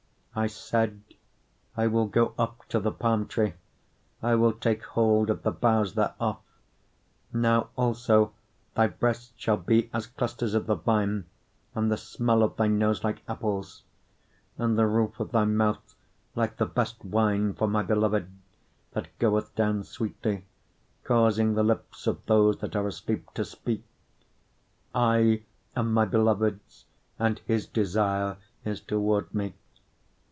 7:8 I said, I will go up to the palm tree, I will take hold of the boughs thereof: now also thy breasts shall be as clusters of the vine, and the smell of thy nose like apples; 7:9 And the roof of thy mouth like the best wine for my beloved, that goeth down sweetly, causing the lips of those that are asleep to speak. 7:10 I am my beloved's, and his desire is toward me.